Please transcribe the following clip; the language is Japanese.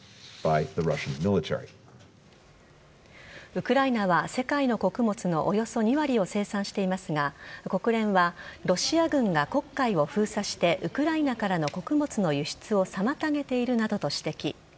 ウクライナは世界の穀物のおよそ２割を生産していますが国連はロシア軍が黒海を封鎖してウクライナからの穀物の輸出を妨げているなどと指摘。